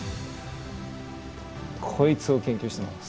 こいつを研究してます。